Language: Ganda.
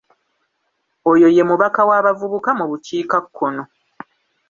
Oyo ye mubaka wa bavubuka mu bukiika kkono.